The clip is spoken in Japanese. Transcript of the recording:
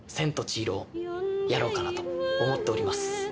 をやろうかなと思っております。